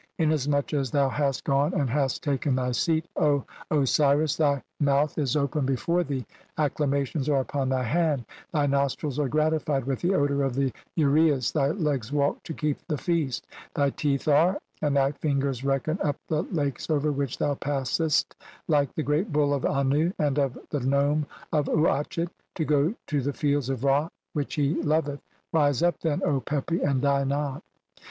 Inasmuch as thou hast "gone and hast taken thy seat, Osiris, thy mouth "is open before thee, acclamations are upon thy hand, "thy nostrils are (68) gratified with the odour of the "uraeus, thy legs walk to keep the feast, thy teeth "are , and thy fingers reckon up the lakes over "which thou passest like the great Bull of Annu [and "of] the nome of Uatchet,' to go to the fields of Ra "(69) which he loveth. Rise up, then, O Pepi, and "die not."